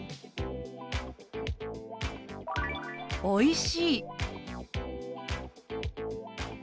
「おいしい」。